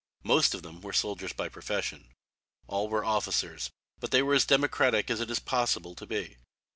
Most of them were soldiers by profession. All were officers, but they were as democratic as it is possible to be.